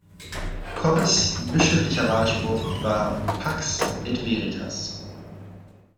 Koppes' bischöflicher Wahlspruch war "Pax et Veritas".